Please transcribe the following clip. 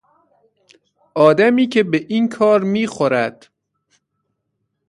آدمی که به این کار میخورد